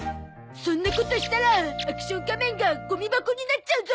そんなことしたらアクション仮面がゴミ箱になっちゃうゾ！